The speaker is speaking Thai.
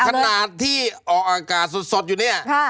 ขนาดที่ออกอากาศสดอยู่เนี่ย